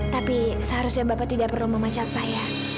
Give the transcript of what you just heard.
tapi seharusnya bapak tidak perlu memecat saya